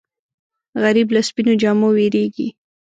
غریب له سپینو جامو وېرېږي